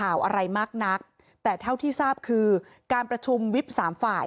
อะไรมากนักแต่เท่าที่ทราบคือการประชุมวิบสามฝ่าย